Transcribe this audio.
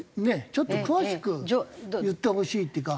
ちょっと詳しく言ってほしいっていうか。